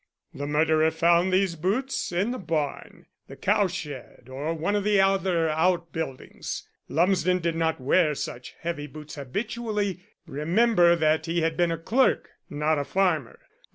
"The murderer found these boots in the barn, the cowshed, or one of the other outbuildings. Lumsden did not wear such heavy boots habitually remember that he had been a clerk, not a farmer.